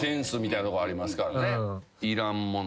いらんもの。